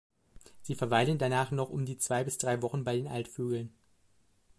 Sie verweilen danach noch um die zwei bis drei Wochen bei den Altvögeln.